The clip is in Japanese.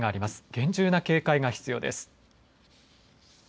厳重な警戒が必要です。